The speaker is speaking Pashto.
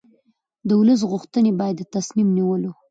د ولس غوښتنې باید د تصمیم نیولو